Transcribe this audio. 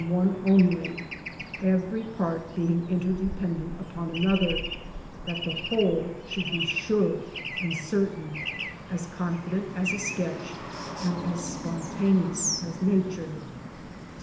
5 one only, every part being interdependent upon another, that the whole should be sure and certain, as confident as a $ketch, and as spontaneous as Nature.